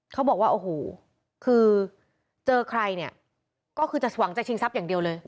เขาบอกว่าโอ้โหคือเจอใครเนี่ยก็คือจะหวังจะชิงทรัพย์อย่างเดียวเลย